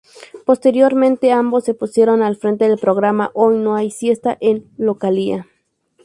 Posteriormente, ambos se pusieron al frente del programa "Hoy no hay siesta" en Localia.